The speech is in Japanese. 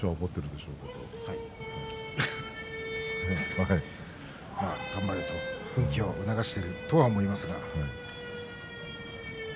まあ頑張れと奮起を促していると思いますが。